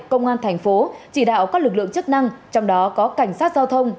công an thành phố chỉ đạo các lực lượng chức năng trong đó có cảnh sát giao thông